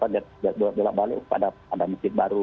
jadwal balik pada mesir baru